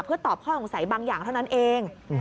เพื่อตอบข้อสงสัยบางอย่างเท่านั้นเอง